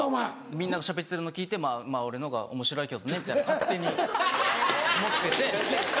みんながしゃべってるの聞いてまぁ俺のがおもしろいけどねみたいな勝手に思ってて。